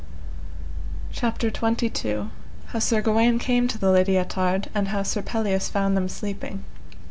CHAPTER XXII. How Sir Gawaine came to the Lady Ettard, and how Sir Pelleas found them sleeping.